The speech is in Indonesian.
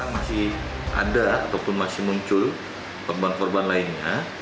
masih ada ataupun masih muncul korban korban lainnya